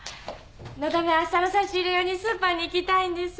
のだめあしたの差し入れ用にスーパーに行きたいんです。